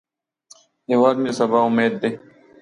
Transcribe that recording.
هیواد مې د سبا امید دی